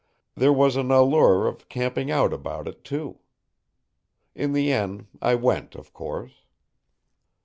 There was an allure of camping out about it, too. In the end I went, of course.